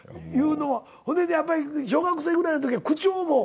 ほいでやっぱり小学生ぐらいのときには口調も。